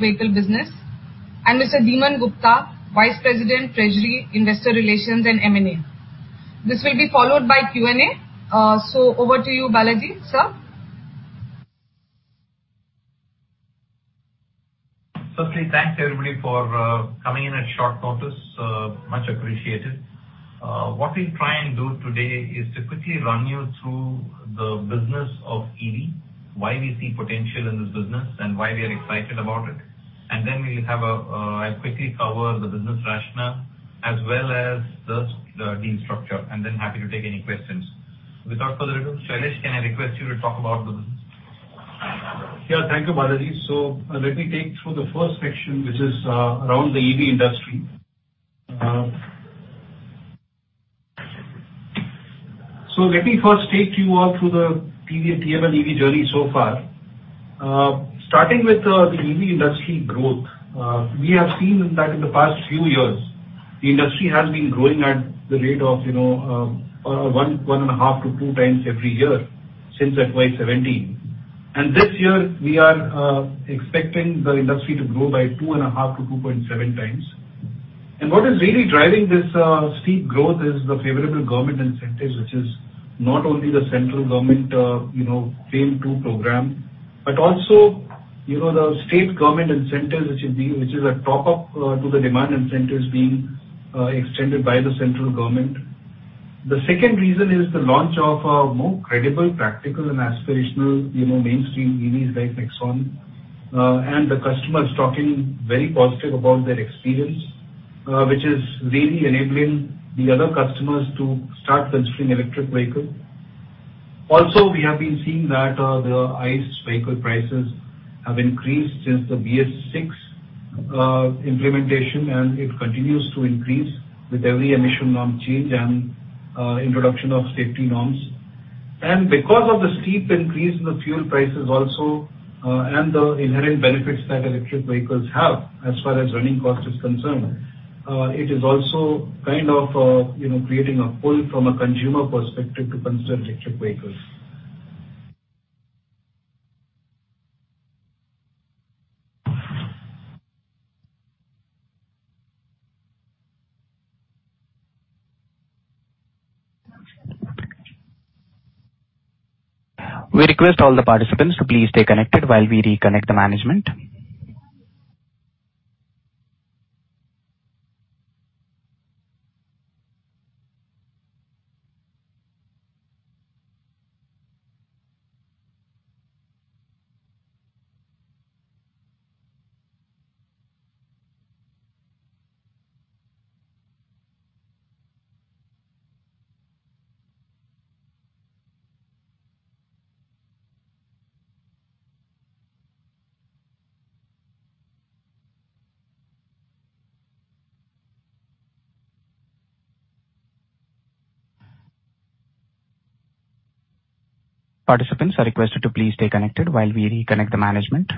Electric vehicle business, and Mr. Dhiman Gupta, Vice President, Treasury, Investor Relations and M&A. This will be followed by Q&A. Over to you, Balaji, sir. Firstly, thanks everybody for coming in at short notice. Much appreciated. What we'll try and do today is to quickly run you through the business of EV, why we see potential in this business, and why we are excited about it. Then I'll quickly cover the business rationale as well as the team structure, and then happy to take any questions. Without further ado, Shailesh, can I request you to talk about the business? Thank you, Balaji. Let me take through the first section which is around the EV industry. Let me first take you all through the previous TML EV journey so far. Starting with the EV industry growth. We have seen that in the past few years; the industry has been growing at the rate of 1.5x to 2x every year since FY 2017. This year, we are expecting the industry to grow by 2.5x to 2.7x. What is really driving this steep growth is the favorable government incentives, which is not only the central government FAME II program, but also the state government incentives, which is a top-up to the demand incentives being extended by the central government. The second reason is the launch of more credible, practical and aspirational mainstream EVs like Nexon. The customers talking very positive about their experience, which is really enabling the other customers to start considering electric vehicle. We have been seeing that the ICE vehicle prices have increased since the BS6 implementation, and it continues to increase with every emission norm change and introduction of safety norms. Because of the steep increase in the fuel prices also, and the inherent benefits that electric vehicles have as far as running cost is concerned, it is also kind of creating a pull from a consumer perspective to consider electric vehicles. We request all the participants to please stay connected while we reconnect the management. Participants are requested to please stay connected while we reconnect the management.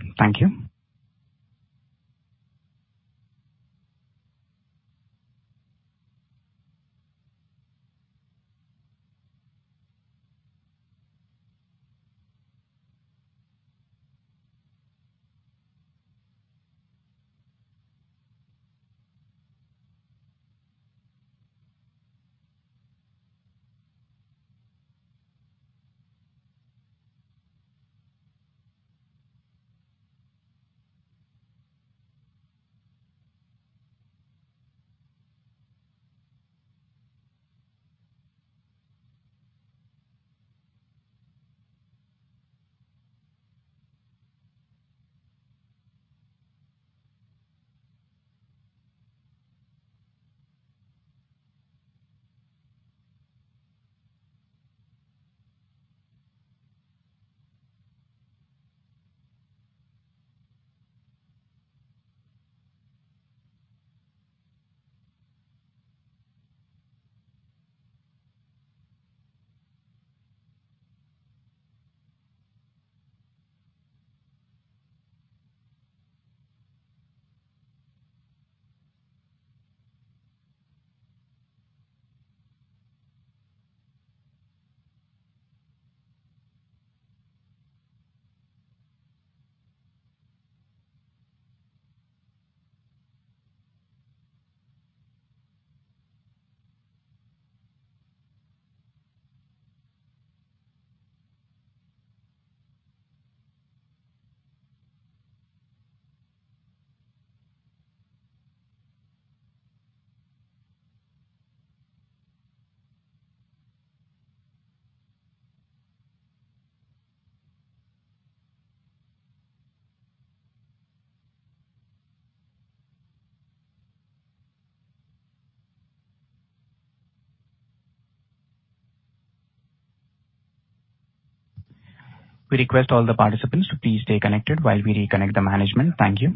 Thank you. We request all the participants to please stay connected while we reconnect the management. Thank you.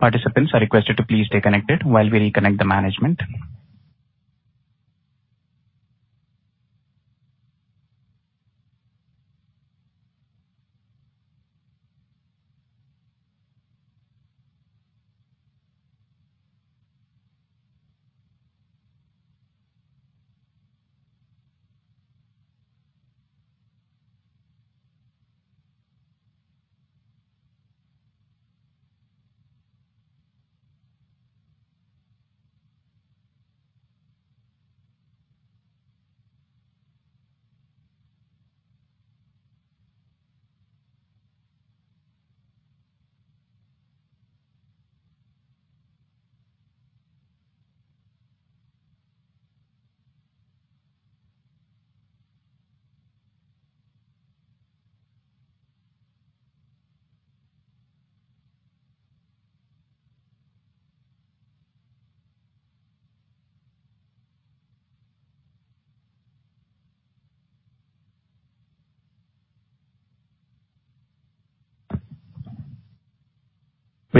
Participants are requested to please stay connected while we reconnect the management.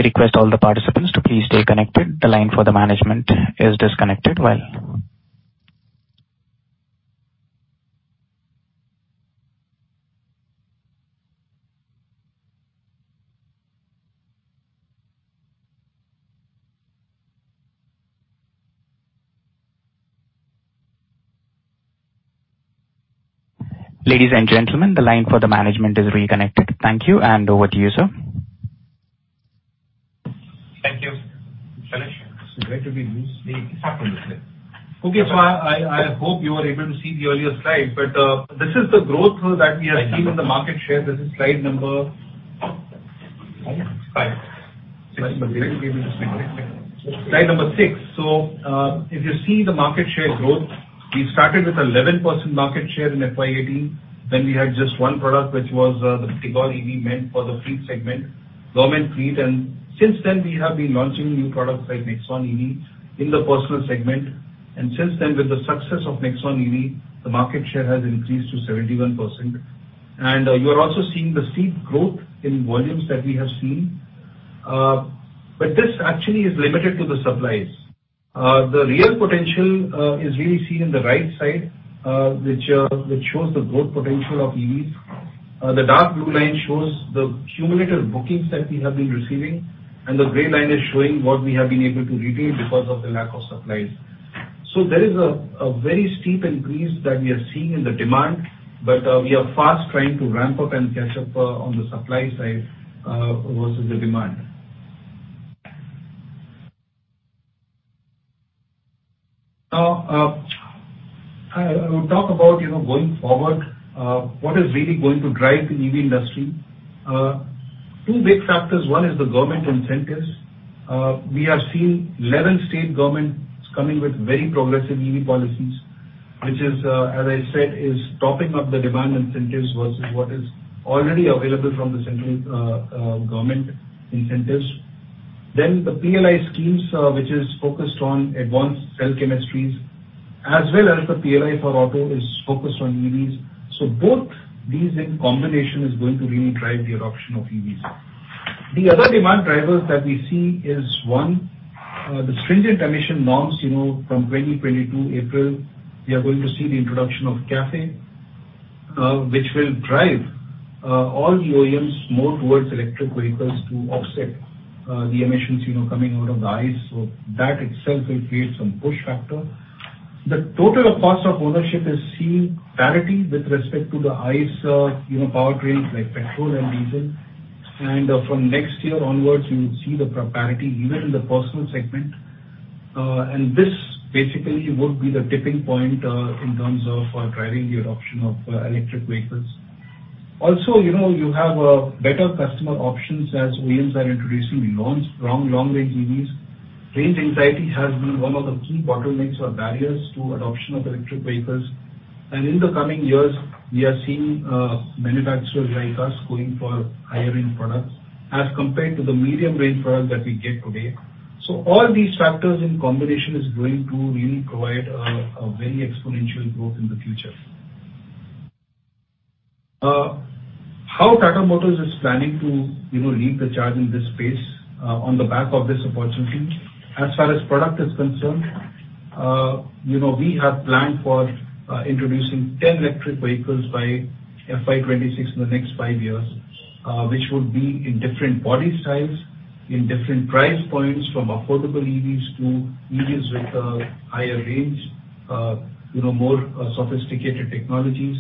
We request all the participants to please stay connected. The line for the management is disconnected. Ladies and gentlemen, the line for the management is reconnected. Thank you, and over to you, sir. Okay. I hope you were able to see the earlier slide, but this is the growth that we have seen in the market share. This is slide number Five. Slide number six. If you see the market share growth, we started with 11% market share in FY 2018. We had just one product, which was the Tigor EV meant for the fleet segment, government fleet, and since then we have been launching new products like Nexon EV in the personal segment. Since then, with the success of Nexon EV, the market share has increased to 71%. You are also seeing the steep growth in volumes that we have seen. This actually is limited to the supplies. The real potential is really seen in the right side, which shows the growth potential of EVs. The dark blue line shows the cumulative bookings that we have been receiving, and the gray line is showing what we have been able to retail because of the lack of supplies. There is a very steep increase that we are seeing in the demand, but we are fast trying to ramp up and catch up on the supply side versus the demand. I will talk about going forward, what is really going to drive the EV industry. Two big factors. One is the government incentives. We have seen 11 state governments coming with very progressive EV policies, which as I said, is topping up the demand incentives versus what is already available from the central government incentives. The PLI schemes, which is focused on advanced cell chemistries as well as the PLI for auto is focused on EVs. Both these in combination is going to really drive the adoption of EVs. The other demand drivers that we see is one, the stringent emission norms from 2022 April, we are going to see the introduction of CAFE, which will drive all the OEMs more towards electric vehicles to offset the emissions coming out of the ICE. So that itself will create some push up to. The total cost of ownership is seeing parity with respect to the ICE power trains like petrol and diesel. From next year onwards, you will see the parity even in the personal segment. This basically would be the tipping point in terms of driving the adoption of electric vehicles. Also, you have better customer options as OEMs are introducing long-range EVs. Range anxiety has been one of the key bottlenecks or barriers to adoption of electric vehicles. In the coming years, we are seeing manufacturers like us going for higher end products as compared to the medium range products that we get today. All these factors in combination is going to really provide a very exponential growth in the future. How Tata Motors is planning to lead the charge in this space on the back of this opportunity, as far as product is concerned, we have planned for introducing 10 electric vehicles by FY 2026, in the next 5 years, which would be in different body styles, in different price points, from affordable EVs to EVs with higher range, more sophisticated technologies.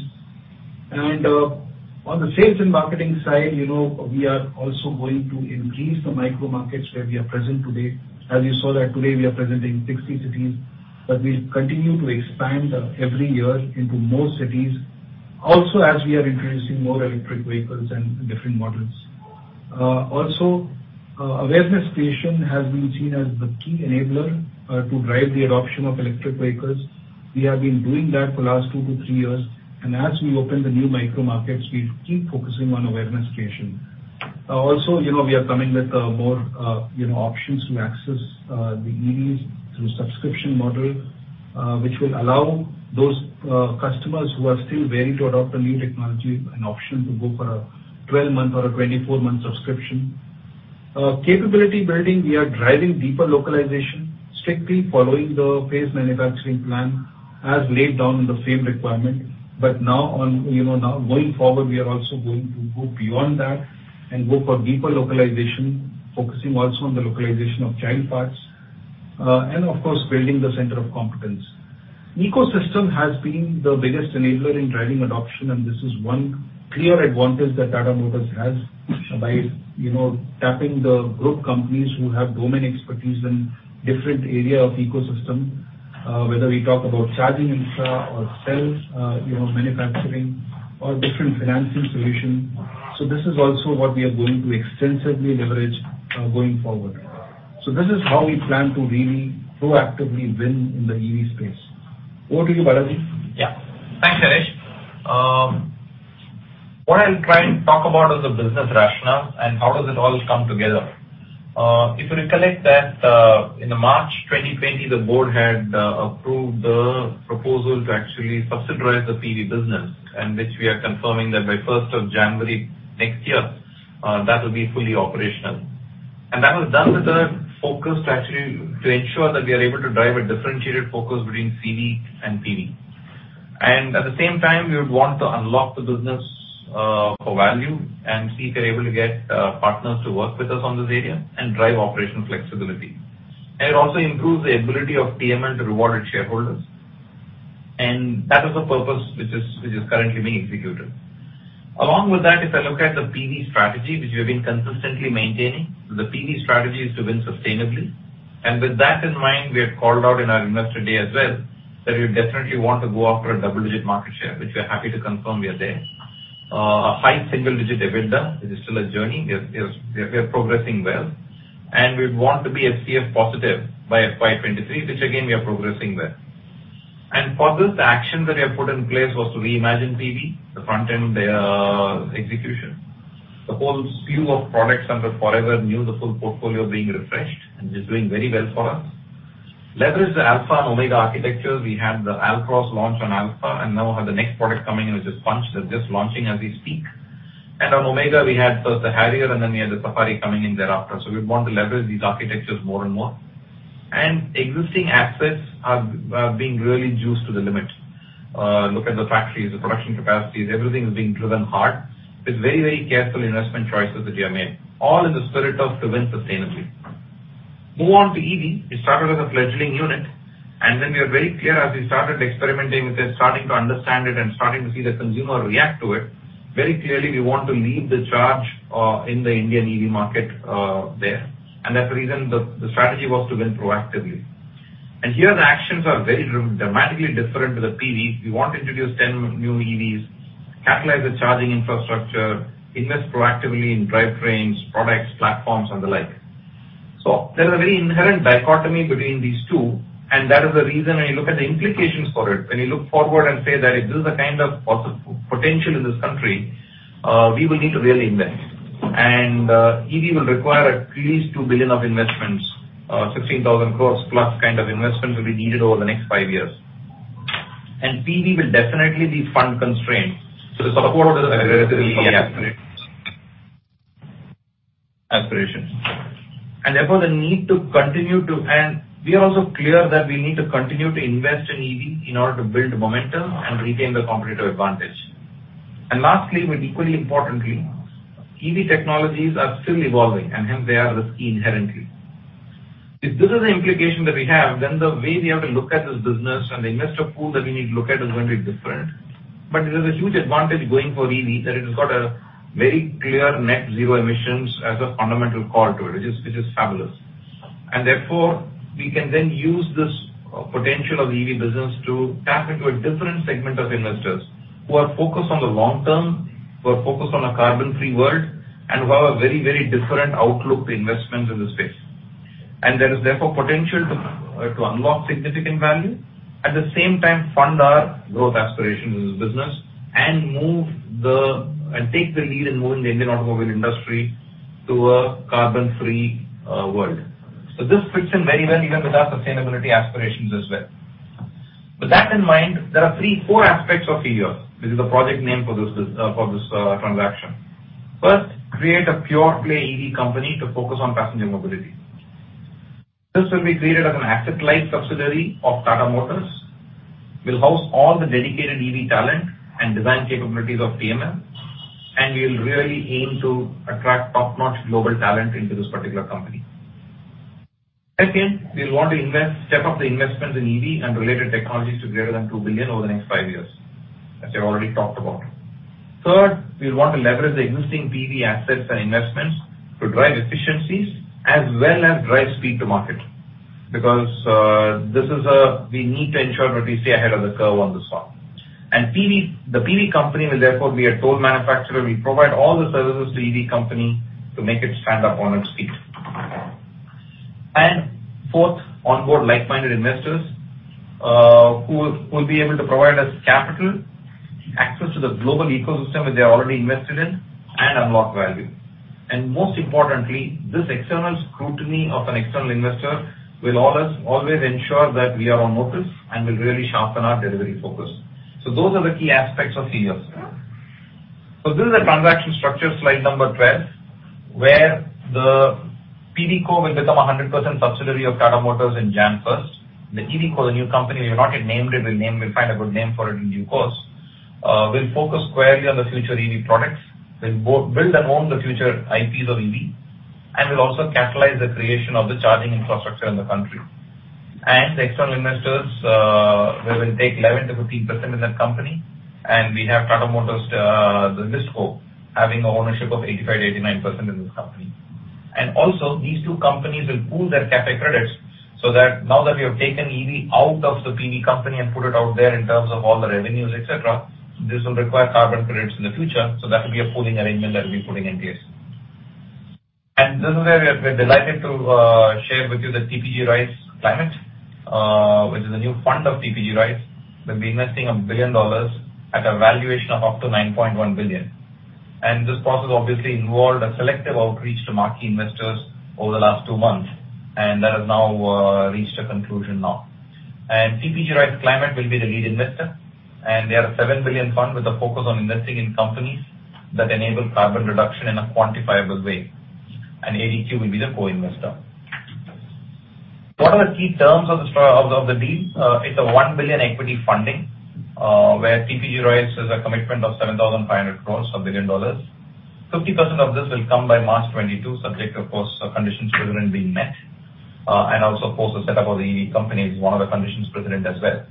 On the sales and marketing side, we are also going to increase the micro markets where we are present today. As you saw that today, we are present in 60 cities, but we'll continue to expand every year into more cities. As we are introducing more electric vehicles and different models. Awareness creation has been seen as the key enabler to drive the adoption of electric vehicles. We have been doing that for the last 2 to 3 years, and as we open the new micro markets, we'll keep focusing on awareness creation. We are coming with more options to access the EVs through subscription model, which will allow those customers who are still wary to adopt a new technology, an option to go for a 12-month or a 24-month subscription. Capability building, we are driving deeper localization, strictly following the phased manufacturing plan as laid down in the FAME requirement. Now, going forward, we are also going to go beyond that and go for deeper localization, focusing also on the localization of child parts. Of course, building the center of competence. Ecosystem has been the biggest enabler in driving adoption. This is one clear advantage that Tata Motors has by tapping the group companies who have domain expertise in different area of ecosystem, whether we talk about charging infra or cells, manufacturing or different financing solution. This is also what we are going to extensively leverage going forward. This is how we plan to really proactively win in the EV space. Over to you, Balaji. Yeah. Thanks, Shailesh. What I'll try and talk about is the business rationale and how does it all come together. If you recollect that in the March 2020, the board had approved the proposal to actually subsidiarize the PV business, which we are confirming that by 1st of January next year, that will be fully operational. That was done with a focus to ensure that we are able to drive a differentiated focus between CV and PV. At the same time, we would want to unlock the business for value and see if we're able to get partners to work with us on this area and drive operational flexibility. It also improves the ability of TML to reward its shareholders, that is the purpose which is currently being executed. Along with that, if I look at the PV strategy, which we've been consistently maintaining, the PV strategy is to win sustainably. With that in mind, we had called out in our Investor Day as well, that we definitely want to go after a double-digit market share, which we're happy to confirm we are there. A high single-digit EBITDA. It is still a journey. We are progressing well. We would want to be FCF positive by FY 2023, which again, we are progressing well. For this, the action that we have put in place was to reimagine PV, the front-end execution. The whole slew of products under New Forever, the full portfolio being refreshed, and is doing very well for us. Leverage the ALFA and OMEGA architectures. We had the Altroz launch on ALFA. Now have the next product coming, which is Punch, that's just launching as we speak. On OMEGA, we had first the Harrier, then we had the Safari coming in thereafter. We want to leverage these architectures more and more. Existing assets are being really juiced to the limit. Look at the factories, the production capacities, everything is being driven hard. It's very careful investment choices that we have made, all in the spirit of to win sustainably. Move on to EV. It started as a fledgling unit, and then we are very clear as we started experimenting with it, starting to understand it, and starting to see the consumer react to it. Very clearly, we want to lead the charge in the Indian EV market there. That's the reason the strategy was to win proactively. Here, the actions are very dramatically different to the PV. We want to introduce 10 new EVs, catalyze the charging infrastructure, invest proactively in drivetrains, products, platforms, and the like. There is a very inherent dichotomy between these two, and that is the reason when you look at the implications for it, when you look forward and say that if this is the kind of potential in this country, we will need to really invest. EV will require at least $2 billion of investments, 16,000 crores plus kind of investment will be needed over the next 5 years. PV will definitely be fund constrained to support this aggressively aspirations. Therefore, we are also clear that we need to continue to invest in EV in order to build momentum and retain the competitive advantage. Lastly, but equally importantly, EV technologies are still evolving and hence they are risky inherently. If this is the implication that we have, then the way we have to look at this business and the investor pool that we need to look at is going to be different. There's a huge advantage going for EV, that it has got a very clear net zero emissions as a fundamental call to it, which is fabulous. Therefore, we can then use this potential of the EV business to tap into a different segment of investors who are focused on the long term, who are focused on a carbon free world, and who have a very different outlook to investments in this space. There is therefore potential to unlock significant value. At the same time, fund our growth aspirations in this business and take the lead in moving the Indian automobile industry to a carbon free world. This fits in very well even with our sustainability aspirations as well. With that in mind, there are four aspects of year. This is the project name for this transaction. First, create a pure play EV company to focus on passenger mobility. This will be created as an asset-light subsidiary of Tata Motors. We'll house all the dedicated EV talent and design capabilities of TML, and we'll really aim to attract top-notch global talent into this particular company. Second, we'll want to step up the investments in EV and related technologies to greater than $2 billion over the next 5 years, as I've already talked about. Third, we'll want to leverage the existing PV assets and investments to drive efficiencies as well as drive speed to market. We need to ensure that we stay ahead of the curve on this one. The PV company will therefore be a tool manufacturer. We provide all the services to EVCo to make it stand up on its feet. Fourth, onboard like-minded investors who will be able to provide us capital, access to the global ecosystem which they are already invested in and unlock value. Most importantly, this external scrutiny of an external investor will always ensure that we are on purpose and will really sharpen our delivery focus. Those are the key aspects of CEER. This is a transaction structure, slide number 12, where PVCo will become 100% subsidiary of Tata Motors on January 1st. The EVCo, the new company, we've not yet named it, we'll find a good name for it in due course, will focus squarely on the future EV products. We'll build and own the future IPs of EV, and we'll also catalyze the creation of the charging infrastructure in the country. The external investors, where we'll take 11%-15% in that company, and we have Tata Motors, the list co, having ownership of 85%-89% in this company. Also, these two companies will pool their CAFE credits, so that now that we have taken EV out of the PVCo and put it out there in terms of all the revenues, et cetera, this will require carbon credits in the future. That will be a pooling arrangement that we'll be putting in place. This is where we're delighted to share with you the TPG Rise Climate, which is a new fund of TPG Growth. We'll be investing $1 billion at a valuation of up to $9.1 billion. This process obviously involved a selective outreach to marquee investors over the last 2 months, and that has now reached a conclusion now. TPG Rise Climate will be the lead investor, and they are a $7 billion fund with a focus on investing in companies that enable carbon reduction in a quantifiable way, and ADQ will be the co-investor. What are the key terms of the deal? It's a $1 billion equity funding, where TPG Growth has a commitment of 7,500 crores, $1 billion. 50% of this will come by March 2022, subject, of course, to conditions precedent being met. Also, of course, the set up of the EV company is one of the conditions precedent as well.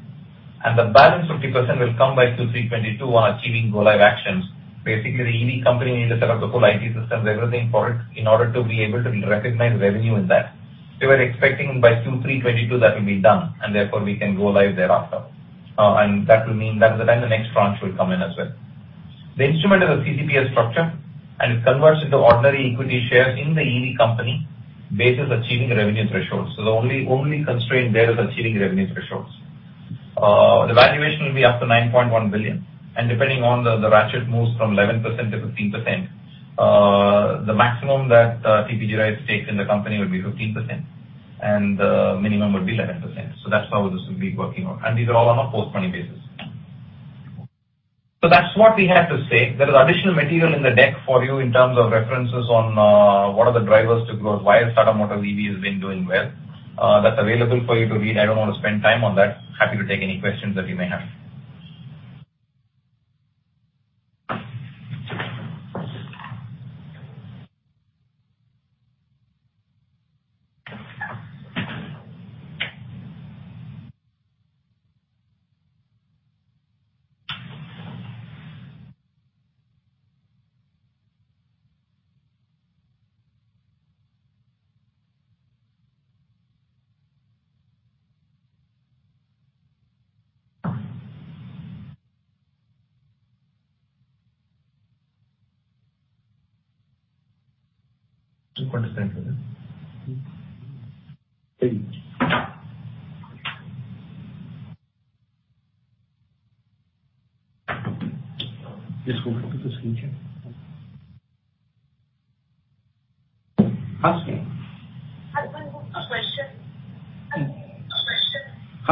The balance 50% will come by Q3 2022 on achieving go live actions. Basically, the EV company needs to set up the whole IT systems, everything for it, in order to be able to recognize revenue in that. They were expecting by Q3 2022 that will be done, and therefore we can go live thereafter. That will mean that is the time the next tranche will come in as well. The instrument is a CCPS structure, and it converts into ordinary equity shares in the EV company based on achieving revenue thresholds. only constraint there is achieving revenue thresholds. The valuation will be up to $9.1 billion. Depending on the ratchet moves from 11%-15%, the maximum that TPG Growth stake in the company will be 15%, and the minimum will be 11%. That's how this will be working out. These are all on a post-money basis. That's what we had to say. There is additional material in the deck for you in terms of references on what are the drivers to growth, why has Tata Motors EV been doing well. That's available for you to read. I don't want to spend time on that. Happy to take any questions that you may have.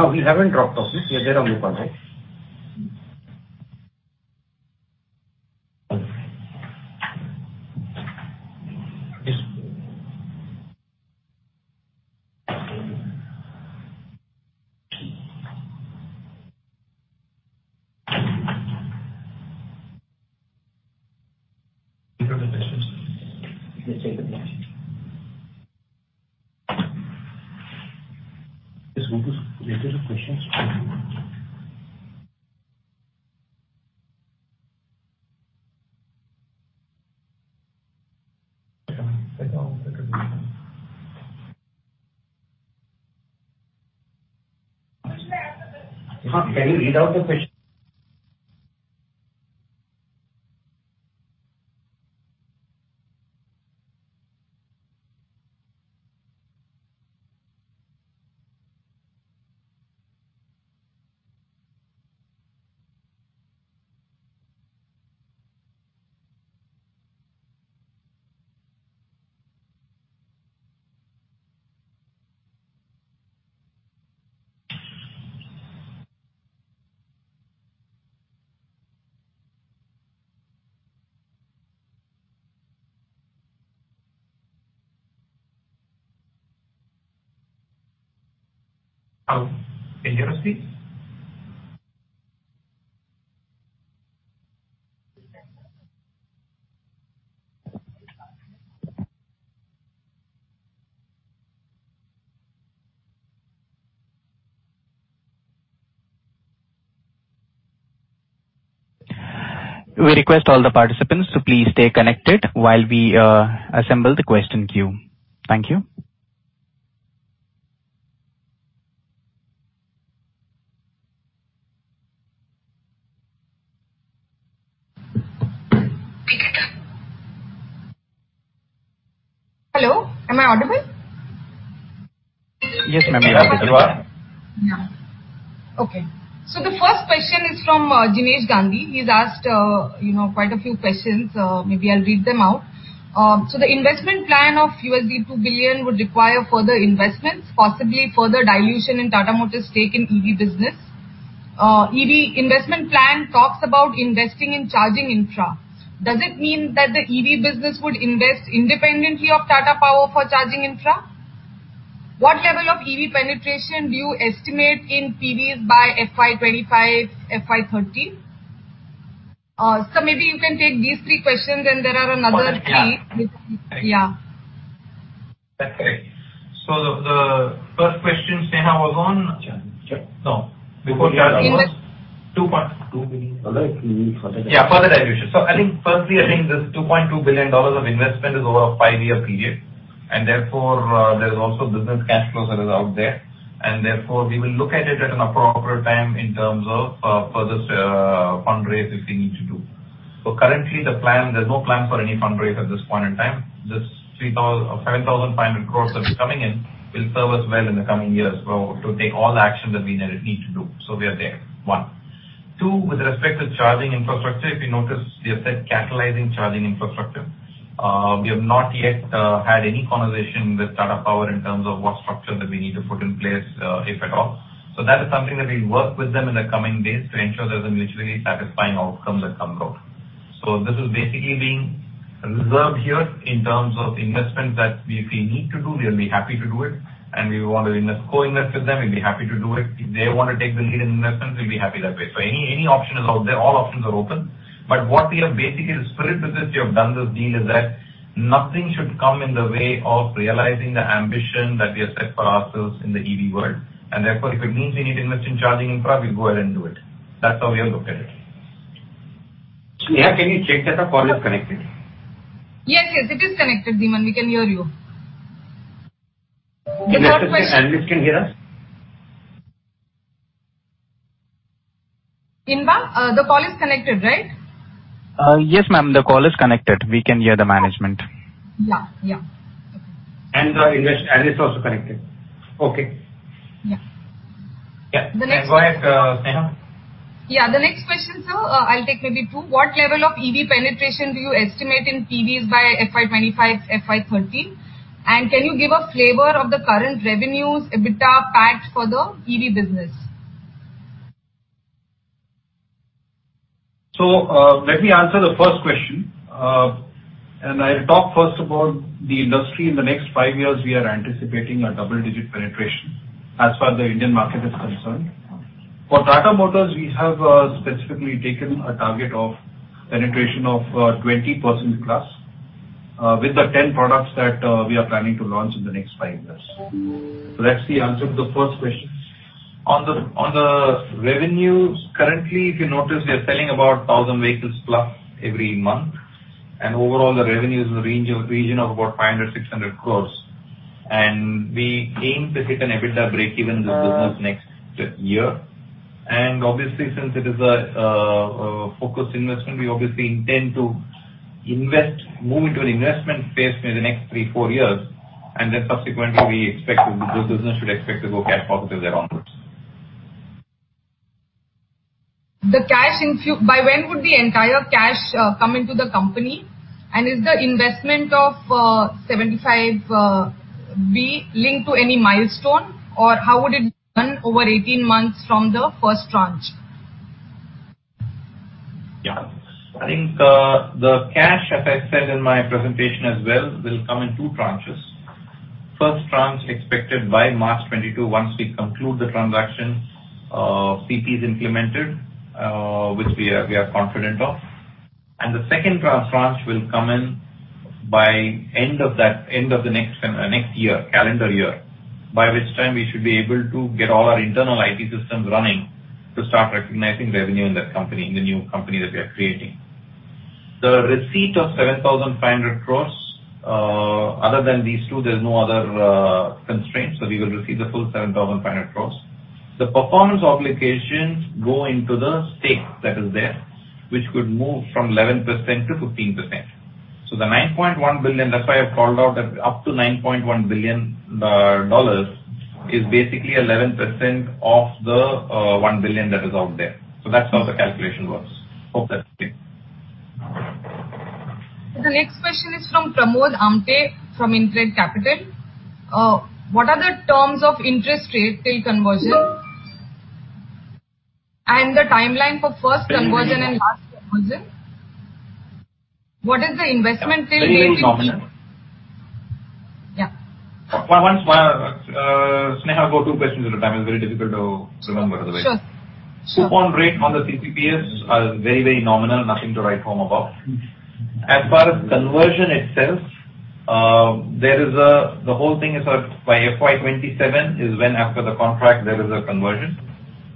Ask me. Has anyone got a question? No, we haven't dropped off. You're there on mute, aren't you? Yes. You got a question? Let's take a question. Yes, go to Read her the questions. Can you read out the question? Can you hear us please? We request all the participants to please stay connected while we assemble the question queue. Thank you. Hello, am I audible? Yes, ma'am, we are able to hear. Yeah. Okay. The first question is from Jinesh Gandhi. He has asked quite a few questions. Maybe I will read them out. The investment plan of $2 billion would require further investments, possibly further dilution in Tata Motors' stake in EV business? EV investment plan talks about investing in charging infra. Does it mean that the EV business would invest independently of Tata Power for charging infra? What level of EV penetration do you estimate in PVs by FY 2025, FY 2030? Sir, maybe you can take these three questions, and there are another three. Yeah. That's great. The first question, Sneha, was. Charging. No. Before charging was two parts. $2 billion. Further dilution. Firstly, I think this $2.2 billion of investment is over a 5-year period, therefore, there's also business cash flows that are out there. Therefore, we will look at it at an appropriate time in terms of further fundraise if we need to do. Currently, there's no plan for any fundraise at this point in time. This 7,500 crores that is coming in will serve us well in the coming years to take all the action that we need to do. We are there, one. Two, with respect to charging infrastructure, if you notice, we have said catalyzing charging infrastructure. We have not yet had any conversation with Tata Power in terms of what structure that we need to put in place, if at all. That is something that we'll work with them in the coming days to ensure there's a mutually satisfying outcome that comes out. This is basically being reserved here in terms of investment that if we need to do, we'll be happy to do it, and we want to co-invest with them, we'll be happy to do it. If they want to take the lead in investments, we'll be happy that way. Any option is out there. All options are open. What we have basically, the spirit with which we have done this deal is that nothing should come in the way of realizing the ambition that we have set for ourselves in the EV world. Therefore, if it means we need to invest in charging infra, we'll go ahead and do it. That's how we have looked at it. Dhiman, can you check that the call is connected? Yes. It is connected, Shailesh. We can hear you. Investors and analysts can hear us? Inba, the call is connected, right? Yes, ma'am, the call is connected. We can hear the management. Yeah. Okay. The analysts are also connected. Okay. Yeah. Yeah. Go ahead, Dhiman. The next question, sir, I'll take maybe two. What level of EV penetration do you estimate in PVs by FY 2025, FY 2030? Can you give a flavor of the current revenues, EBITDA, PAT for the EV business? Let me answer the first question. I'll talk first about the industry. In the next 5 years, we are anticipating a double-digit penetration as far as the Indian market is concerned. For Tata Motors, we have specifically taken a target of penetration of 20%+ with the 10 products that we are planning to launch in the next 5 years. That's the answer to the first question. On the revenues, currently, if you notice, we are selling about 1,000+ vehicles every month, and overall, the revenue is in the region of about 500 crore-600 crore. We aim to hit an EBITDA break even in this business next year. Obviously, since it is a focused investment, we obviously intend to invest, move into an investment phase in the next 3, 4 years, and then subsequently, we expect the business should expect to go cash positive there onwards. By when would the entire cash come into the company? Is the investment of 75 billion linked to any milestone, or how would it be done over 18 months from the first tranche? Yeah. I think the cash, as I said in my presentation as well, will come in two tranches. First tranche expected by March 2022, once we conclude the transaction, CP is implemented, which we are confident of. The second tranche will come in by end of the next calendar year, by which time we should be able to get all our internal IT systems running to start recognizing revenue in the new company that we are creating. The receipt of 7,500 crores, other than these two, there's no other constraints. We will receive the full 7,500 crores. The performance obligations go into the stake that is there, which could move from 11% to 15%. The $9.1 billion, that's why I've called out that up to $9.1 billion is basically 11% of the $1 billion that is out there. That's how the calculation works. Hope that's clear. The next question is from Pramod Amte, from InCred Capital. What are the terms of interest rate till conversion? The timeline for first conversion and last conversion. What is the investment till date? Very nominal. Yeah. Dhiman, go two questions at a time. It's very difficult to remember otherwise. Sure. Coupon rate on the CCPS are very nominal. Nothing to write home about. As far as conversion itself, the whole thing is by FY 2027 is when after the contract there is a conversion.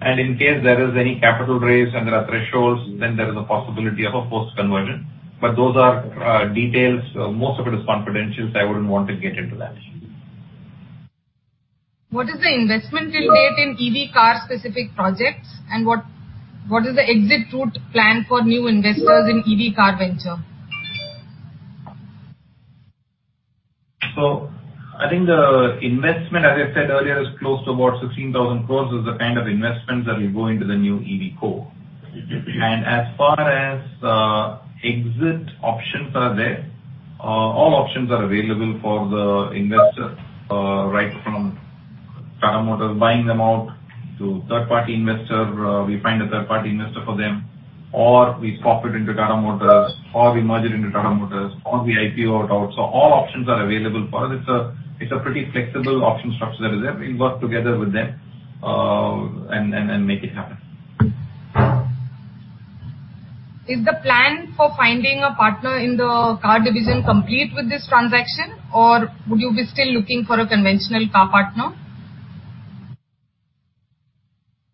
In case there is any capital raise and there are thresholds, then there is a possibility of a post-conversion. Those are details. Most of it is confidential, so I wouldn't want to get into that. What is the investment till date in EVCo specific projects, and what is the exit route plan for new investors in EVCo venture? I think the investment, as I said earlier, is close to about 16,000 crores, is the kind of investment that will go into the new EVCo. As far as exit options are there. All options are available for the investor, right from Tata Motors buying them out to third-party investor. We find a third-party investor for them, or we swap it into Tata Motors, or we merge it into Tata Motors, or we IPO it out. All options are available for us. It's a pretty flexible option structure that is there. We'll work together with them and make it happen. Is the plan for finding a partner in the car division complete with this transaction, or would you be still looking for a conventional car partner?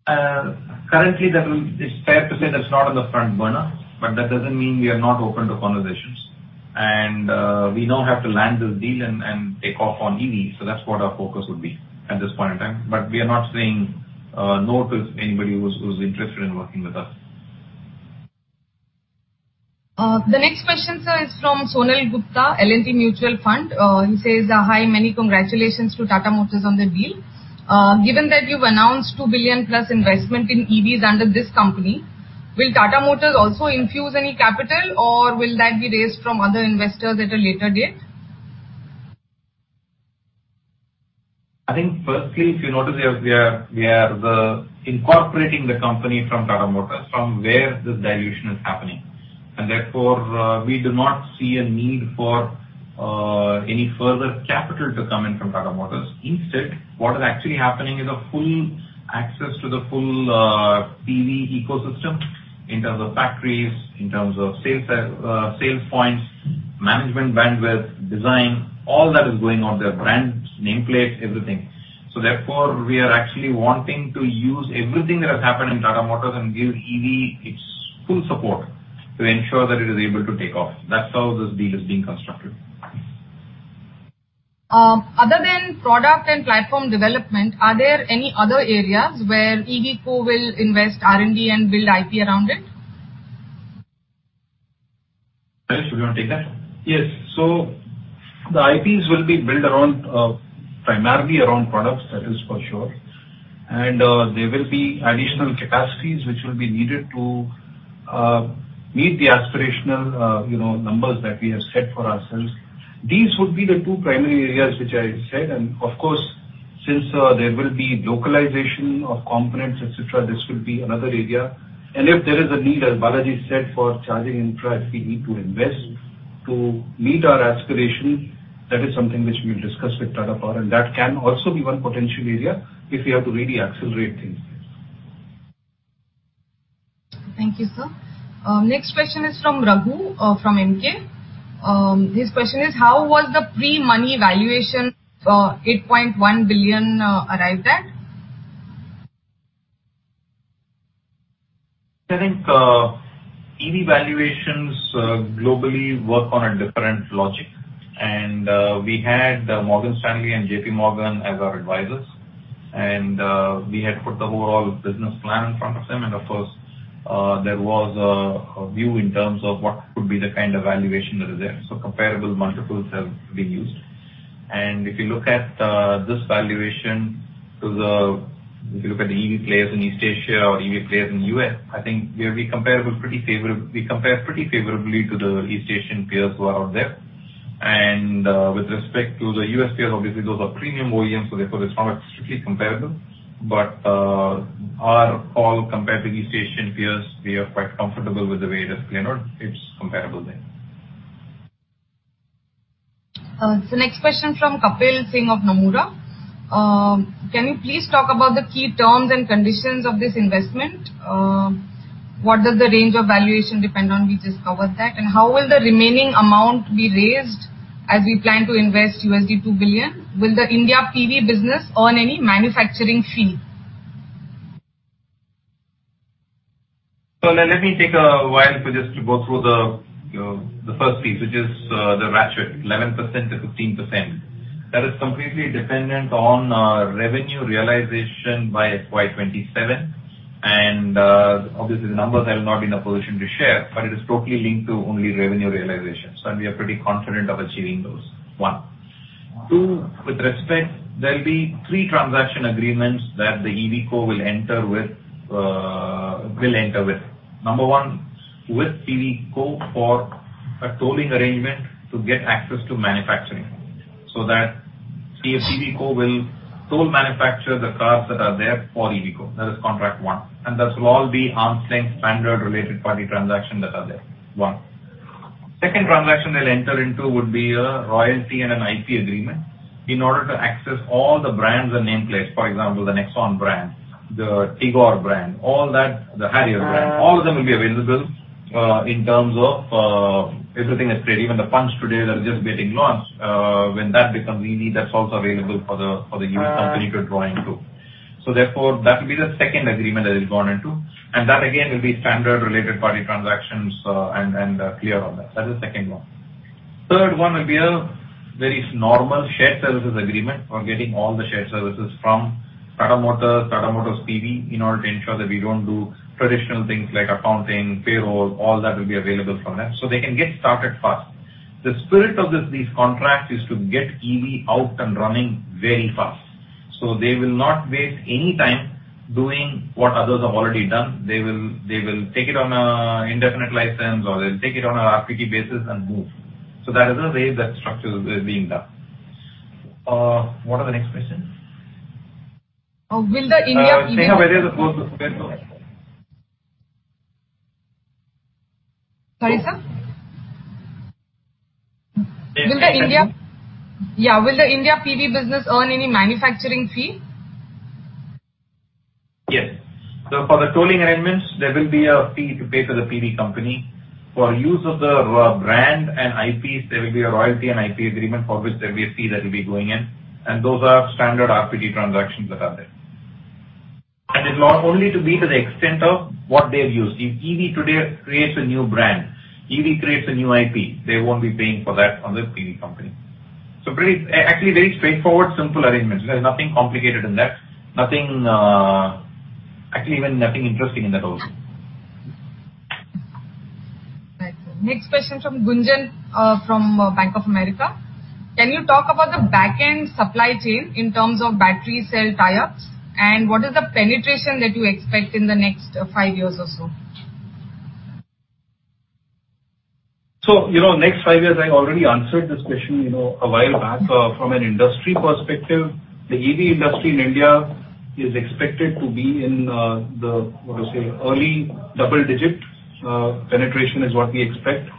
Currently, it's fair to say that's not on the front burner, but that doesn't mean we are not open to conversations. We now have to land this deal and take off on EV, so that's what our focus would be at this point in time. We are not saying no to anybody who's interested in working with us. The next question, sir, is from Sonal Gupta, L&T Mutual Fund. He says, "Hi, many congratulations to Tata Motors on the deal. Given that you've announced $2+ billion investment in EVs under this company, will Tata Motors also infuse any capital, or will that be raised from other investors at a later date? I think firstly, if you notice, we are incorporating the company from Tata Motors, from where this dilution is happening. Therefore, we do not see a need for any further capital to come in from Tata Motors. Instead, what is actually happening is a full access to the full PV ecosystem in terms of factories, in terms of sales points, management bandwidth, design, all that is going on there, brands, nameplates, everything. Therefore, we are actually wanting to use everything that has happened in Tata Motors and give EV its full support to ensure that it is able to take off. That's how this deal is being constructed. Other than product and platform development, are there any other areas where EVCo will invest R&D and build IP around it? Shailesh, would you want to take that? Yes. The IPs will be built primarily around products. That is for sure. There will be additional capacities which will be needed to meet the aspirational numbers that we have set for ourselves. These would be the two primary areas which I said. Since there will be localization of components, et cetera, this will be another area. If there is a need, as Balaji said, for charging infra, if we need to invest to meet our aspiration, that is something which we will discuss with Tata Power, and that can also be one potential area if we have to really accelerate things. Thank you, sir. Next question is from Raghu, from Emkay. His question is: how was the pre-money valuation $8.1 billion arrived at? I think EV valuations globally work on a different logic. We had Morgan Stanley and JPMorgan as our advisors, and we had put the whole business plan in front of them. Of course, there was a view in terms of what could be the kind of valuation that is there. Comparable multiples have been used. If you look at this valuation to the EV players in East Asia or EV players in the U.S., I think we compare pretty favorably to the East Asian peers who are out there. With respect to the U.S. peers, obviously, those are premium OEMs. Therefore it's not strictly comparable. Our all compared to East Asian peers, they are quite comfortable with the way it is playing out. It's comparable there. Next question from Kapil Singh of Nomura. Can you please talk about the key terms and conditions of this investment? What does the range of valuation depend on? We just covered that. How will the remaining amount be raised as we plan to invest $2 billion? Will the India PV business earn any manufacturing fee? Let me take a while to go through the first piece, which is the ratchet, 11%-15%. That is completely dependent on revenue realization by FY 2027. Obviously, the numbers I'm not in a position to share, but it is totally linked to only revenue realization, so we are pretty confident of achieving those. One. Two, with respect, there'll be three transaction agreements that the EVCo will enter with. Number one, with PVCo for a tolling arrangement to get access to manufacturing. That EVCo will toll manufacture the cars that are there for EVCo. That is contract one, and that will all be arm's length standard related party transaction that are there. One. Second transaction they'll enter into would be a royalty and an IP agreement in order to access all the brands and nameplates. For example, the Nexon brand, the Tigor brand, the Harrier brand, all of them will be available in terms of everything is ready. Even the Punch today that is just getting launched, when that becomes EV, that is also available for the EVCo to draw into. Therefore, that will be the second agreement that is gone into, and that again, will be standard Related Party Transactions and clear on that. That is the second one. Third one will be a very normal shared services agreement for getting all the shared services from Tata Motors, Tata Motors PV, in order to ensure that we don't do traditional things like accounting, payroll, all that will be available from them, so they can get started fast. The spirit of these contracts is to get EV out and running very fast. They will not waste any time doing what others have already done. They will take it on an indefinite license, or they'll take it on a RP basis and move. That is the way that structure is being done. What are the next questions? Will the India EV- Dhiman, whether the... Sorry, sir. Will the India PV business earn any manufacturing fee? Yes. For the tolling arrangements, there will be a fee to pay to the PV company. For use of the brand and IPs, there will be a royalty and IP agreement for which there'll be a fee that will be going in. Those are standard RPT transactions that are there. It'll only to be to the extent of what they've used. If EV today creates a new brand, EV creates a new IP, they won't be paying for that on the PVCo. Actually, very straightforward, simple arrangements. There's nothing complicated in that. Actually, even nothing interesting in that also. Right. Next question from Gunjan from Bank of America. Can you talk about the back end supply chain in terms of battery cell tie-ups, and what is the penetration that you expect in the next 5 years or so? Next 5 years, I already answered this question a while back. From an industry perspective, the EV industry in India is expected to be in the, what to say, early double digit. Penetration is what we expect.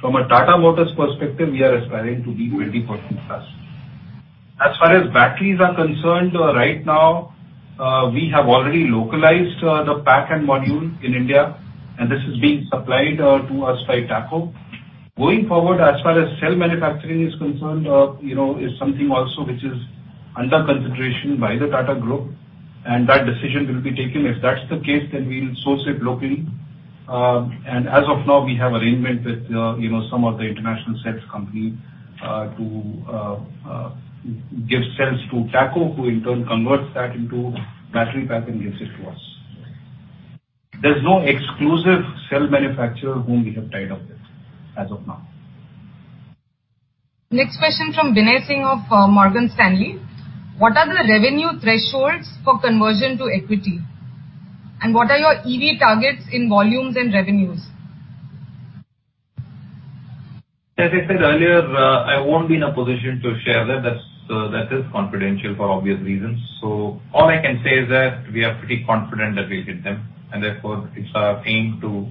From a Tata Motors perspective, we are aspiring to be 20%+. As far as batteries are concerned, right now, we have already localized the pack and module in India, and this is being supplied to us by Tata AutoComp Systems. Going forward, as far as cell manufacturing is concerned, is something also which is under consideration by the Tata Group, and that decision will be taken. If that's the case, then we'll source it locally. As of now, we have arrangement with some of the international cells company, to give cells to Tata AutoComp Systems, who in turn converts that into battery pack and gives it to us. There's no exclusive cell manufacturer whom we have tied up with as of now. Next question from Binay Singh of Morgan Stanley. What are the revenue thresholds for conversion to equity? What are your EV targets in volumes and revenues? As I said earlier, I won't be in a position to share that. That is confidential for obvious reasons. All I can say is that we are pretty confident that we'll hit them, and therefore, it's our aim to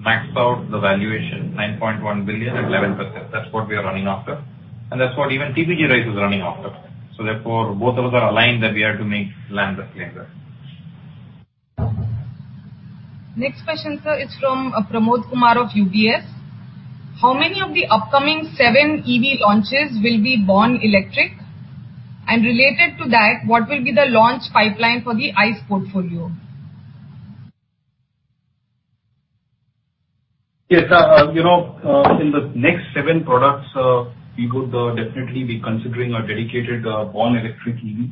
max out the valuation, $9.1 billion at 11%. That's what we are running after, and that's what even TPG Growth is running after. Therefore, both of us are aligned that we are to make land claim there. Next question, sir, is from Pramod Kumar of UBS. How many of the upcoming 7 EV launches will be born electric? Related to that, what will be the launch pipeline for the ICE portfolio? Yes. In the next 7 products, we could definitely be considering a dedicated born electric EV,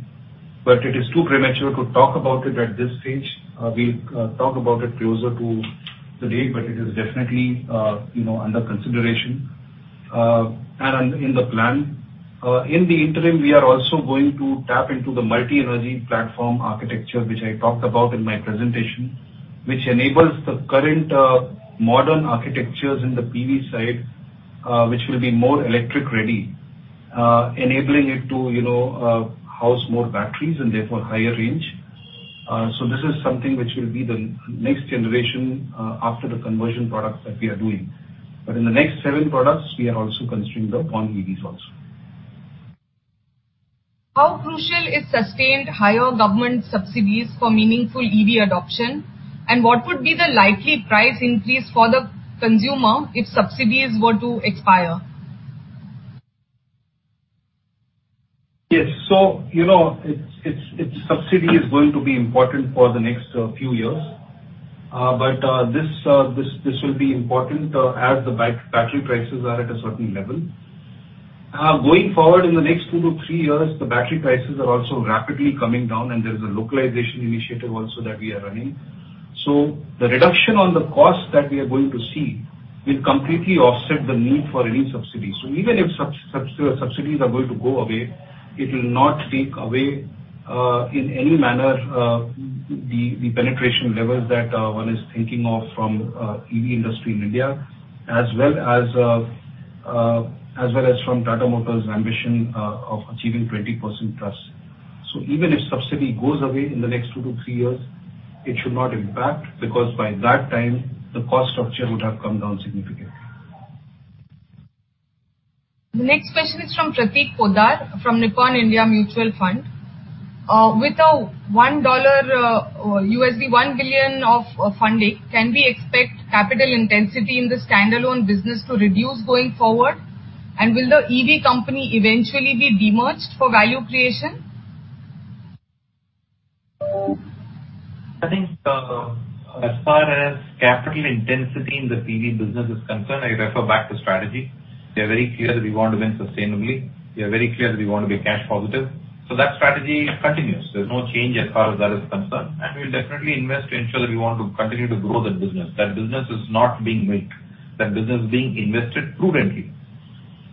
it is too premature to talk about it at this stage. We'll talk about it closer to the date, it is definitely under consideration, and in the plan. In the interim, we are also going to tap into the multi-energy platform architecture, which I talked about in my presentation, which enables the current modern architectures in the PV side which will be more electric ready, enabling it to house more batteries and therefore higher range. This is something which will be the next generation after the conversion products that we are doing. In the next 7 products, we are also considering the born EVs also. How crucial is sustained higher government subsidies for meaningful EV adoption, and what would be the likely price increase for the consumer if subsidies were to expire? Yes. Subsidy is going to be important for the next few years. This will be important, as the battery prices are at a certain level. Going forward in the next 2 to 3 years, the battery prices are also rapidly coming down, and there's a localization initiative also that we are running. The reduction on the cost that we are going to see will completely offset the need for any subsidy. Even if subsidies are going to go away, it will not take away, in any manner, the penetration levels that one is thinking of from EV industry in India, as well as from Tata Motors' ambition of achieving 20%+. Even if subsidy goes away in the next 2 to 3 years, it should not impact, because by that time, the cost structure would have come down significantly. The next question is from Prateek Poddar from Nippon India Mutual Fund. With a $1 billion of funding, can we expect capital intensity in the standalone business to reduce going forward? Will the EV company eventually be de-merged for value creation? I think, as far as capital intensity in the PV business is concerned, I refer back to strategy. We are very clear that we want to win sustainably. We are very clear that we want to be cash positive. That strategy continues. There's no change as far as that is concerned, and we'll definitely invest to ensure that we want to continue to grow that business. That business is not being milked. That business is being invested prudently.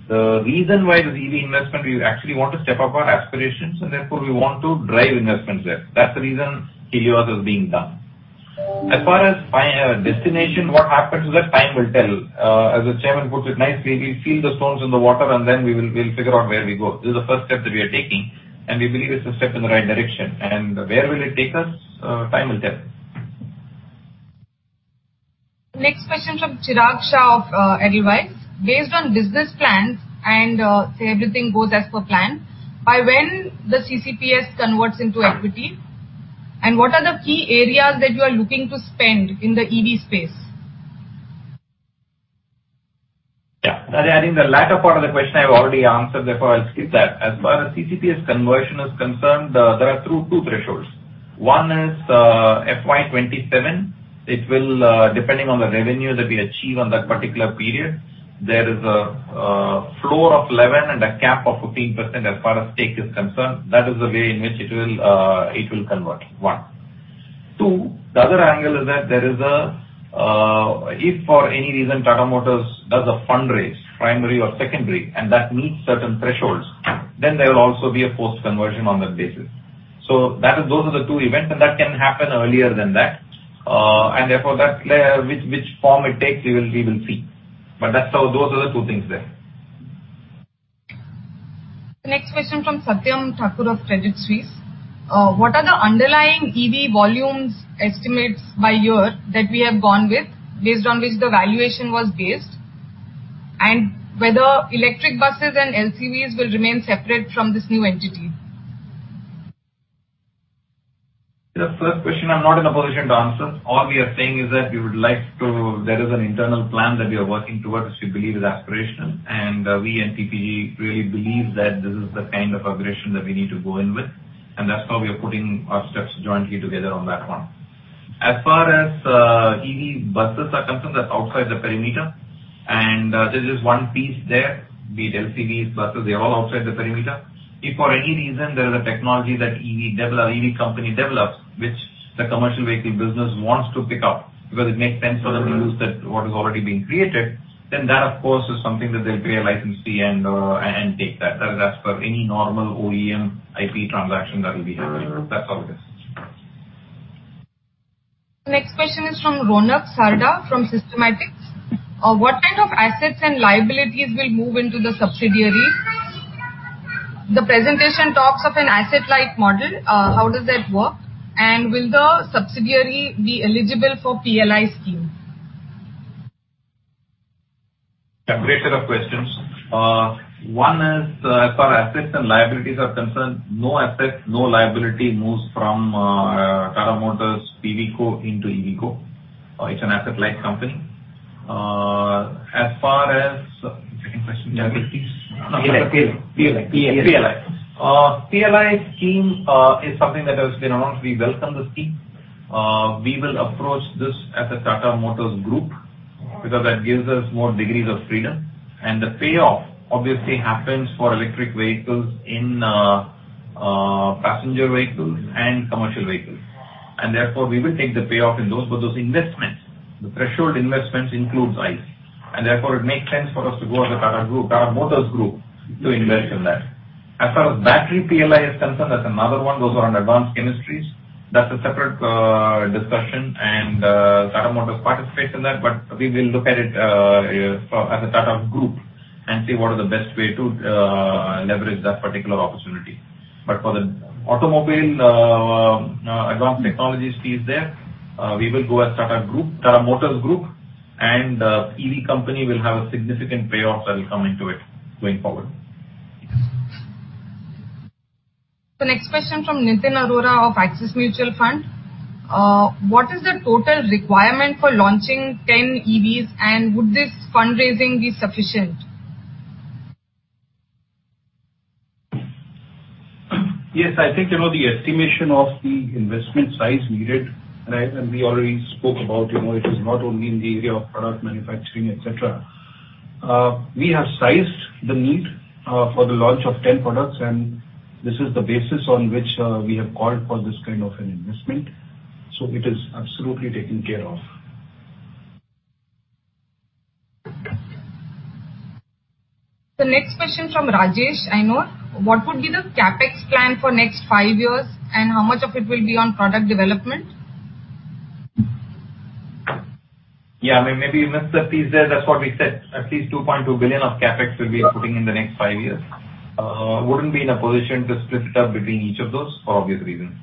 The reason why the EV investment, we actually want to step up our aspirations, and therefore we want to drive investments there. That's the reason Helios is being done. As far as destination, what happens with that, time will tell. As the chairman puts it nicely, we feel the stones in the water and then we'll figure out where we go. This is the first step that we are taking, and we believe it's a step in the right direction. Where will it take us? Time will tell. Next question from Chirag Shah of Edelweiss. Based on business plans, and say everything goes as per plan, by when the CCPS converts into equity, and what are the key areas that you are looking to spend in the EV space? Yeah. I think the latter part of the question I've already answered; therefore I'll skip that. As far as CCPS conversion is concerned, there are two thresholds. One is FY 2027. Depending on the revenue that we achieve on that particular period, there is a floor of 11% and a cap of 15% as far as stake is concerned. That is the way in which it will convert. One. Two, the other angle is that if for any reason Tata Motors does a fund raise, primary or secondary, and that meets certain thresholds, then there will also be a forced conversion on that basis. Those are the two events, and that can happen earlier than that. Therefore, which form it takes, we will see. Those are the two things there. Next question from Satyam Thakur of Credit Suisse. What are the underlying EV volumes estimates by year that we have gone with, based on which the valuation was based? Whether electric buses and LCVs will remain separate from this new entity. The first question I'm not in a position to answer. All we are saying is that there is an internal plan that we are working towards, which we believe is aspirational, and we and TPG really believe that this is the kind of aspiration that we need to go in with. That's why we are putting our steps jointly together on that one. As far as EV buses are concerned, that's outside the perimeter, and this is one piece there. Be it LCVs, buses, they're all outside the perimeter. If for any reason there is a technology that EV company develops, which the commercial vehicle business wants to pick up because it makes sense for them to use what is already being created, then that of course, is something that they'll pay a licensee and take that. That is as per any normal OEM IP transaction that will be happening. That's how it is. Next question is from Ronak Sarda from Systematix. What kind of assets and liabilities will move into the subsidiary? The presentation talks of an asset-light model. How does that work? Will the subsidiary be eligible for PLI scheme? A great set of questions. One is, as far assets and liabilities are concerned, no asset, no liability moves from Tata Motors PVCo into EVCo. It's an asset-light company. PLI. PLI scheme is something that has been announced. We welcome the scheme. We will approach this as a Tata Motors group because that gives us more degrees of freedom, and the payoff obviously happens for electric vehicles in passenger vehicles and commercial vehicles. Therefore, we will take the payoff in those. Those investments, the threshold investments includes ICE. Therefore, it makes sense for us to go as a Tata Motors group to invest in that. As far as battery PLI is concerned, that's another one. Those are on advanced chemistries. That's a separate discussion, and Tata Motors participates in that. We will look at it as a Tata Group and see what is the best way to leverage that particular opportunity. For the automobile advanced technologies piece there, we will go as Tata Motors Group, and EVCo will have a significant payoff that will come into it going forward. The next question from Nitin Arora of Axis Mutual Fund. What is the total requirement for launching 10 EVs, and would this fundraising be sufficient? Yes. I think the estimation of the investment size needed, and we already spoke about it, is not only in the area of product manufacturing, et cetera. We have sized the need for the launch of 10 products, and this is the basis on which we have called for this kind of an investment. It is absolutely taken care of. The next question from Rajesh Ainur. What would be the CapEx plan for next 5 years, and how much of it will be on product development? Yeah. Maybe you missed that piece there. That's what we said. At least $2.2 billion of CapEx we'll be putting in the next 5 years. Wouldn't be in a position to split it up between each of those for obvious reasons.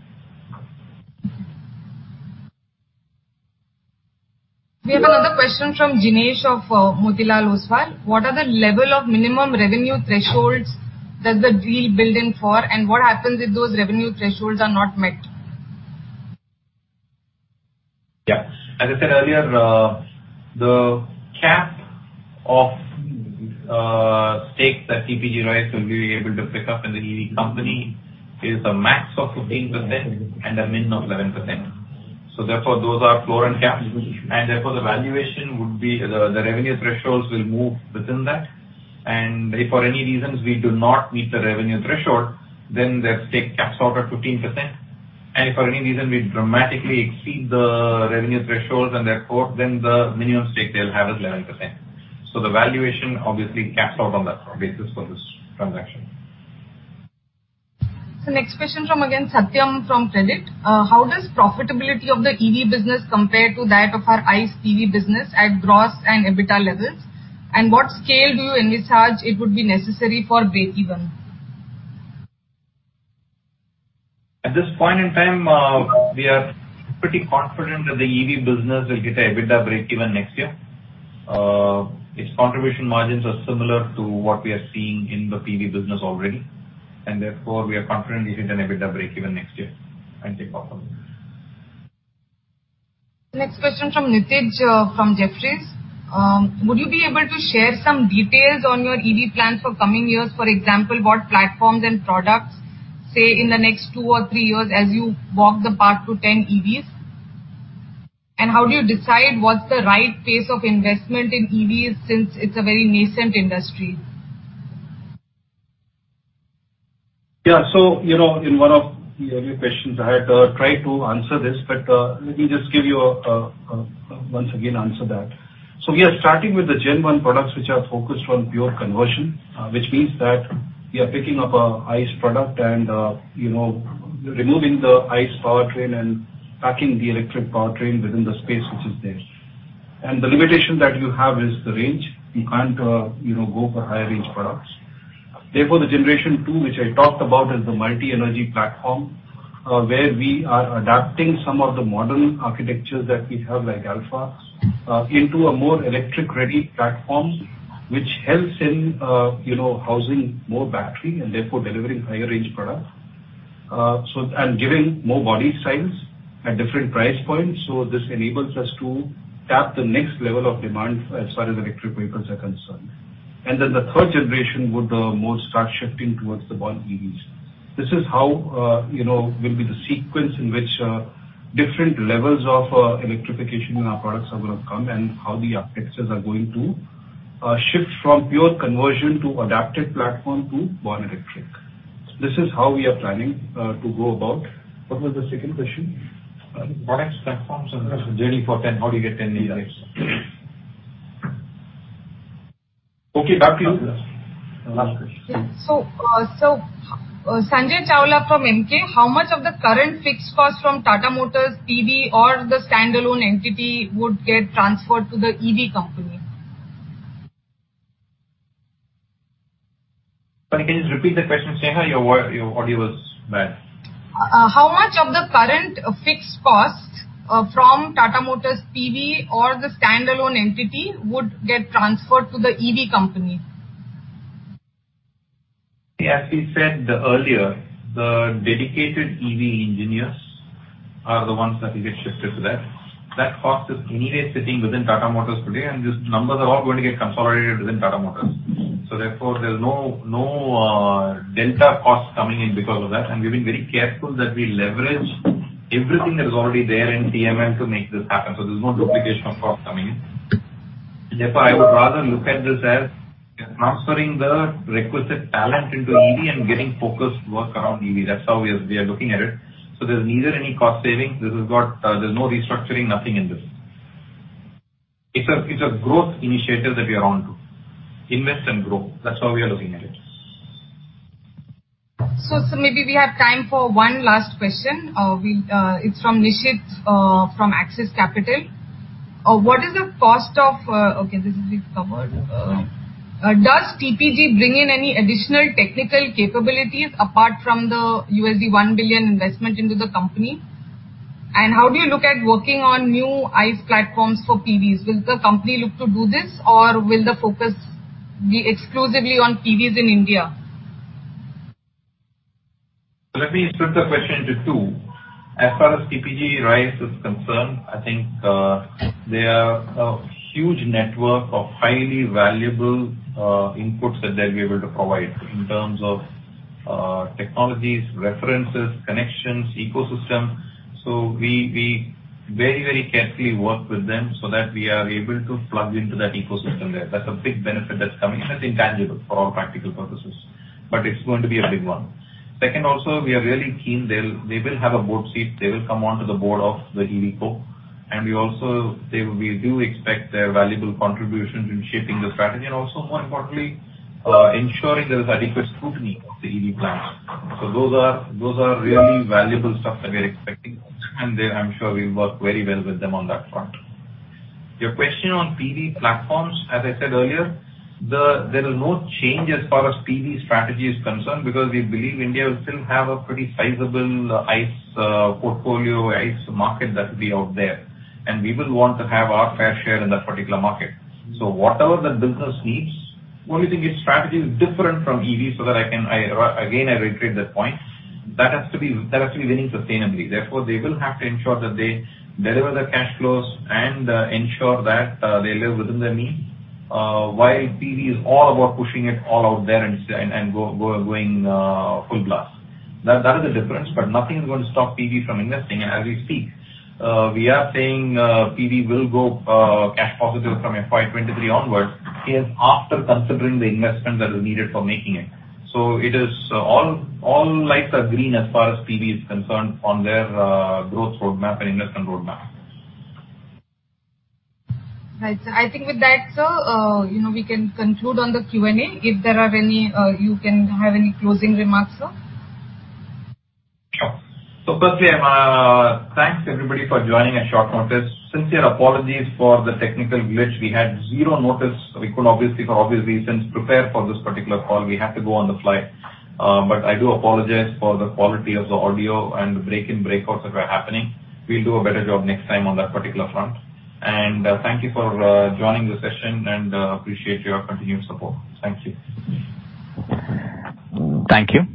We have another question from Jinesh of Motilal Oswal. What are the level of minimum revenue thresholds does the deal build in for, and what happens if those revenue thresholds are not met? Yeah. As I said earlier, the cap of stake that TPG Rise will be able to pick up in the EV company is a max of 15% and a min of 11%. Therefore, those are floor and cap, and therefore the valuation would be the revenue thresholds will move within that, and if for any reasons we do not meet the revenue threshold, then their stake caps out at 15%. If for any reason we dramatically exceed the revenue thresholds, and therefore, then the minimum stake they'll have is 11%. The valuation obviously caps out on that basis for this transaction. Next question from, again, Satyam Thakur from Credit Suisse. How does profitability of the EV business compare to that of our ICE PV business at gross and EBITDA levels? What scale do you envisage it would be necessary for breakeven? At this point in time, we are pretty confident that the EV business will get a EBITDA breakeven next year. Its contribution margins are similar to what we are seeing in the PV business already, and therefore, we are confident it hit an EBITDA breakeven next year. Thank you. Next question from Nitij from Jefferies. Would you be able to share some details on your EV plans for coming years? For example, what platforms and products, say, in the next 2 or 3 years as you walk the path to 10 EVs? How do you decide what's the right pace of investment in EVs since it's a very nascent industry? Yeah. In one of the earlier questions, I had tried to answer this, but let me just give you once again answer that. We are starting with the gen one products, which are focused on pure conversion, which means that we are picking up a ICE product and removing the ICE powertrain and packing the electric powertrain within the space which is there. The limitation that you have is the range. You can't go for high-range products. The generation two, which I talked about, is the multi-energy platform, where we are adapting some of the modern architectures that we have, like ALFA, into a more electric-ready platform. Which helps in housing more battery and therefore delivering higher range product, and giving more body size at different price points. This enables us to tap the next level of demand as far as electric vehicles are concerned. The third generation would more start shifting towards the born EVs. This is how will be the sequence in which different levels of electrification in our products are going to come, and how the architectures are going to shift from pure conversion to adapted platform to born electric. This is how we are planning to go about. What was the second question? Products, platforms, and journey for 10, how do you get 10 EVs? Okay, back to you. Last question. Sanjay Chawla from Emkay. How much of the current fixed costs from Tata Motors PV or the standalone entity would get transferred to the EV company? Can you just repeat the question, Dhiman? Your audio was bad. How much of the current fixed costs from Tata Motors PV or the standalone entity would get transferred to the EV company? As we said earlier, the dedicated EV engineers are the ones that will get shifted to that. That cost is anyway sitting within Tata Motors today. These numbers are all going to get consolidated within Tata Motors. Therefore, there's no delta cost coming in because of that. We've been very careful that we leverage everything that is already there in TML to make this happen. There's no duplication of cost coming in. Therefore, I would rather look at this as transferring the requisite talent into EV and getting focused work around EV. That's how we are looking at it. There's neither any cost saving. There's no restructuring, nothing in this. It's a growth initiative that we are onto. Invest and grow. That's how we are looking at it. Maybe we have time for one last question. It's from Nishit, from Axis Capital. What is the cost of? Okay, this has been covered. Yeah. Does TPG bring in any additional technical capabilities apart from the $1 billion investment into the company? How do you look at working on new ICE platforms for PVs? Will the company look to do this, or will the focus be exclusively on PVs in India? Let me split the question into two. As far as TPG Rise is concerned, I think they are a huge network of highly valuable inputs that they'll be able to provide in terms of technologies, references, connections, ecosystem. We very carefully work with them so that we are able to plug into that ecosystem there. That's a big benefit that's coming, and it's intangible for all practical purposes, but it's going to be a big one. Second, also, we are really keen. They will have a board seat. They will come onto the board of the EVCo. We do expect their valuable contributions in shaping the strategy and also, more importantly, ensuring there is adequate scrutiny of the EV plans. Those are really valuable stuff that we're expecting, and I'm sure we work very well with them on that front. Your question on PV platforms, as I said earlier, there is no change as far as PV strategy is concerned because we believe India will still have a pretty sizable ICE portfolio, ICE market that will be out there, and we will want to have our fair share in that particular market. Whatever that business needs, only thing is strategy is different from EV so that again, I reiterate that point. That has to be winning sustainably. Therefore, they will have to ensure that they deliver the cash flows and ensure that they live within their means. While PV is all about pushing it all out there and going full blast. That is the difference, nothing is going to stop PV from investing. As we speak We are saying PV will go cash positive from FY 2023 onwards, is after considering the investment that is needed for making it. All lights are green as far as PV is concerned on their growth roadmap and investment roadmap. Right. I think with that, sir, we can conclude on the Q&A. If you can have any closing remarks, sir. Sure. Firstly, thanks everybody for joining at short notice. Sincere apologies for the technical glitch we had zero notice. We could, for obvious reasons, prepare for this particular call. We have to go on the fly. I do apologize for the quality of the audio and the break-in breakouts that were happening. We'll do a better job next time on that particular front. Thank you for joining the session and appreciate your continued support. Thank you. Thank you.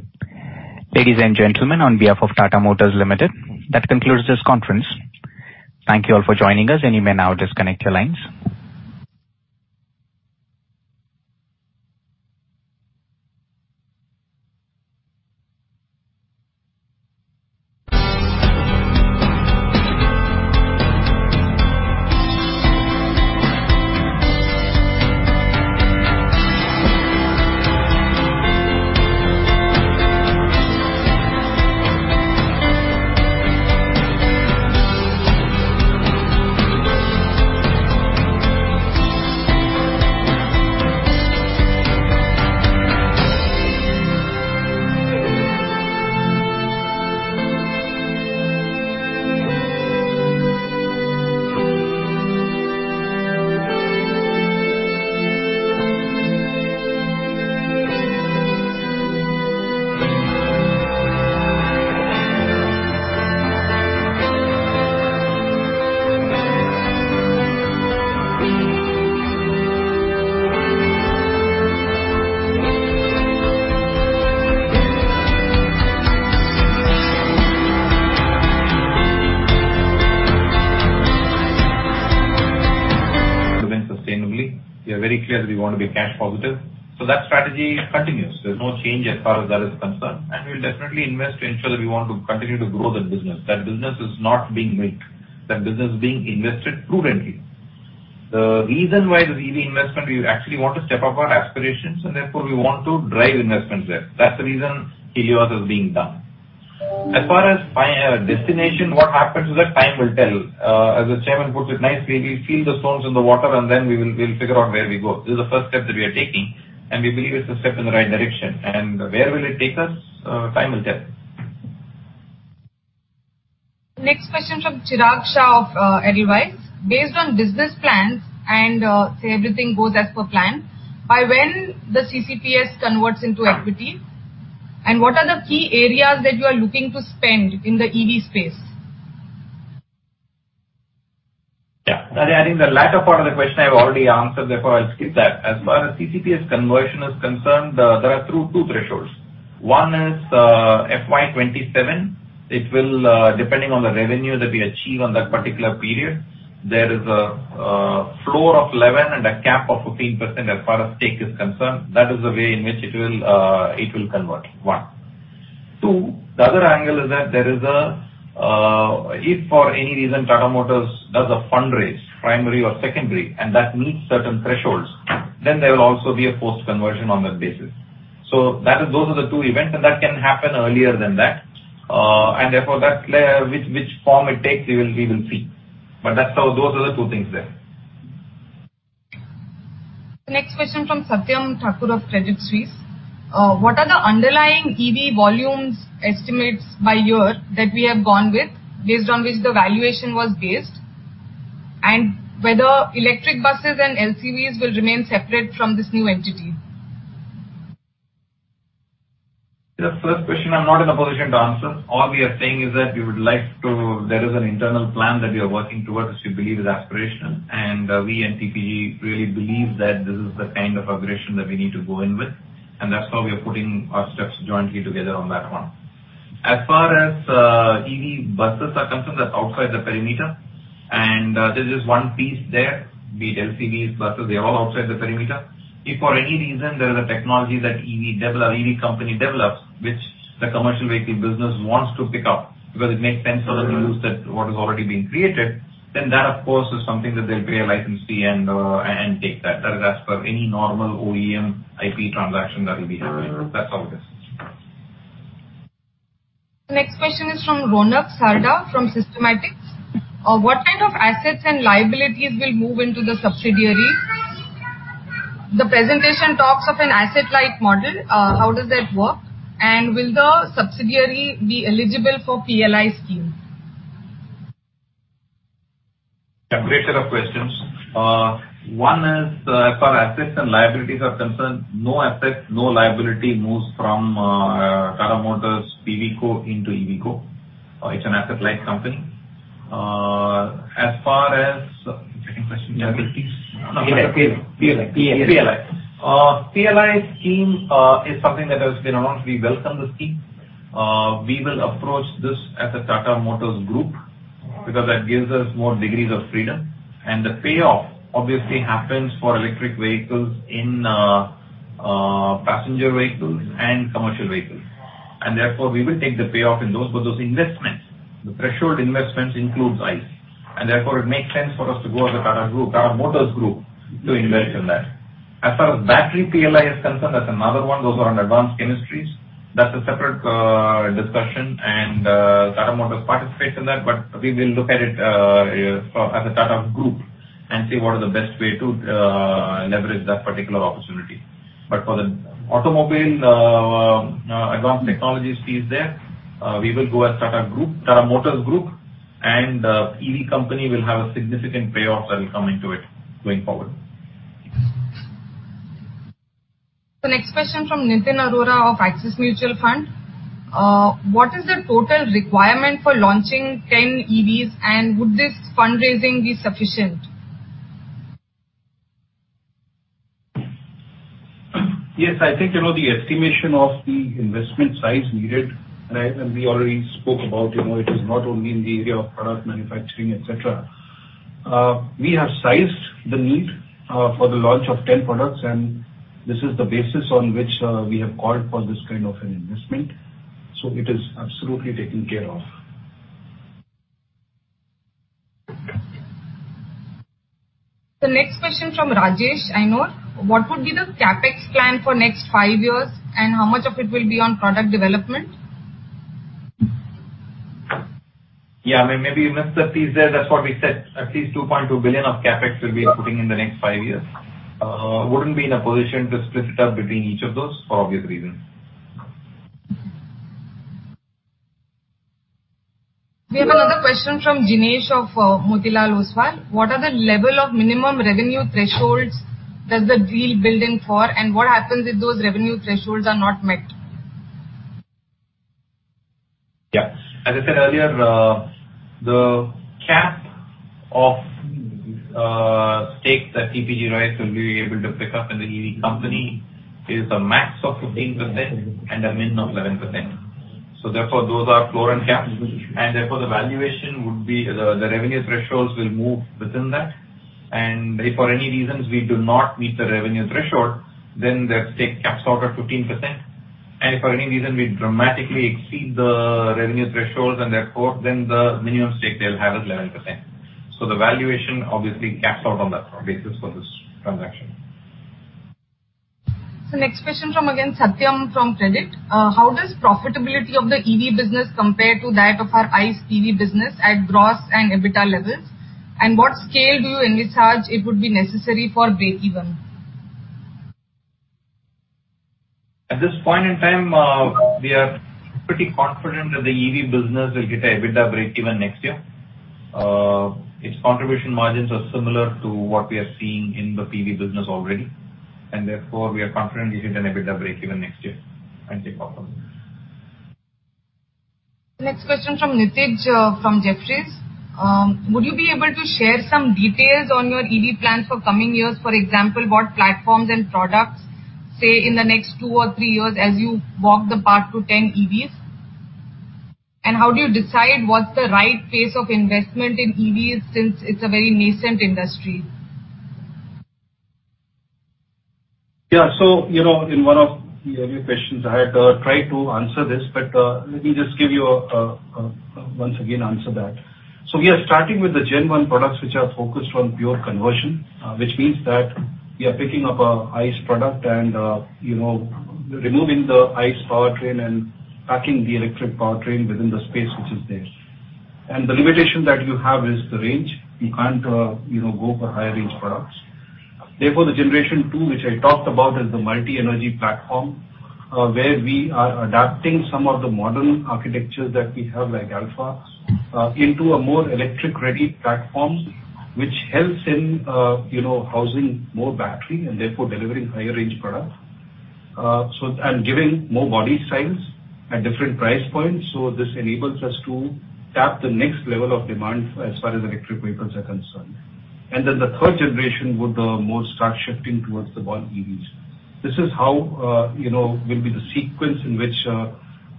Ladies and gentlemen, on behalf of Tata Motors Limited, that concludes this conference. Thank you all for joining us. You may now disconnect your lines.